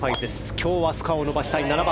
今日はスコアを伸ばしたい７番。